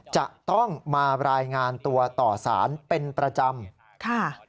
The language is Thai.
จะต้องมารายงานตัวต่อสารเป็นประจำค่ะ